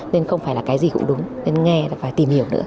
nên không phải là cái gì cũng đúng nên nghe là phải tìm hiểu nữa